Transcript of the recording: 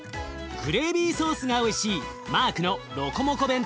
グレービーソースがおいしいマークのロコモコ